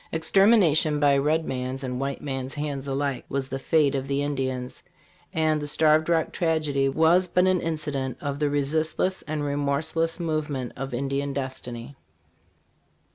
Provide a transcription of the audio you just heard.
Extermination by red man's and white man's hands alike was the fate of the Indian; and the Starved Rock tragedy was but an incident of the resistless and remorseless movement of Indian destiny.